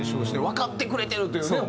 わかってくれてるというね